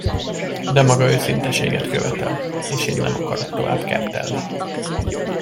De maga őszinteséget követel, és én nem akarok tovább kertelni.